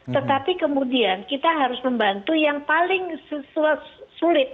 tetapi kemudian kita harus membantu yang paling sulit